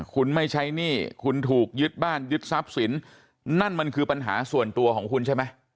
คุณไม่ใช้หนี้คุณถูกยึดบ้านยึดทรัพย์สินนั่นมันคือปัญหาส่วนตัวของคุณใช่ไหม